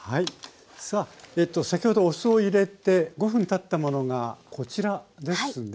さあ先ほどお酢を入れて５分たったものがこちらですね。